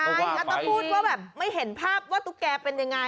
อาจจะพูดว่าแบบไม่เห็นภาพว่าตุ๊กแกเป็นยังไง